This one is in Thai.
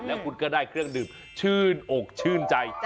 แล้วคุณก็ได้เครื่องดื่มชื่นอกชื่นใจ